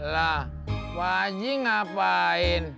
lah pak ji ngapain